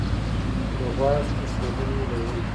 د غوږ ایښودنې ډولونه